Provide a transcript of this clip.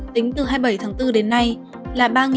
tính từ hai mươi bảy tháng bốn đến nay là ba tám trăm một mươi bảy ca